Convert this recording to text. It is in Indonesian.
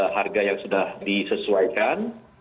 harga yang sudah disesuaikan